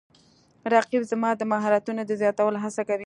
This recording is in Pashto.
رقیب زما د مهارتونو د زیاتولو هڅه کوي